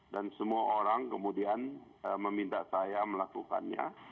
dan semua orang kemudian meminta saya melakukannya